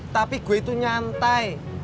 tapi gue itu nyantai